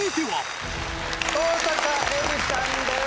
登坂絵莉さんです。